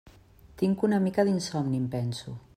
Tinc una mica d'insomni, em penso.